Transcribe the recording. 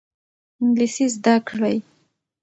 انګلیسي زده کړئ.